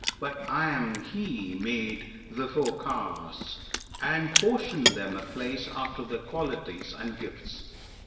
But I am He Made the Four Castes, and portioned them a place After their qualities and gifts.